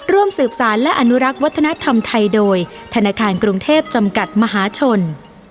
ร่วมสืบสารและอนุรักษ์วัฒนธรรมไทยโดยธนาคารกรุงเทพจำกัดมหาชน